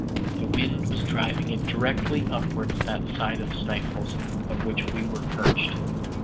The wind was driving it directly towards that side of Sneffels on which we were perched.